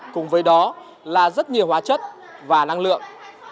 cùng với đó là rất nhiều hóa chất và năng lượng